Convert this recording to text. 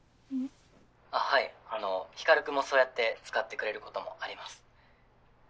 はい光君もそうやって使ってくれることもあります。